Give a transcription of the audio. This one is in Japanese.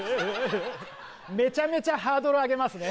めちゃめちゃハードル上げますね。